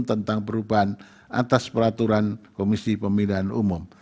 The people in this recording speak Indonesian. tentang perubahan atas peraturan komisi pemilihan umum